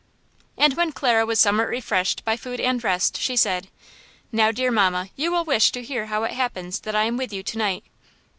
And when Clara was somewhat refreshed by food and rest, she said: "Now, dear mamma, you will wish to hear how it happens that I am with you to night."